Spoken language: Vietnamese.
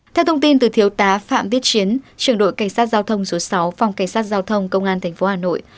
theo thông tin từ thiếu tá phạm tiết chiến trường đội cảnh sát giao thông số sáu phòng cảnh sát giao thông công an tp hà nội